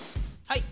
はい。